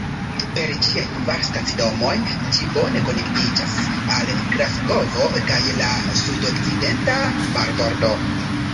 Per ĝiaj kvar stacidomoj ĝi bone konektiĝas al Glasgovo kaj la sudokcidenta marbordo.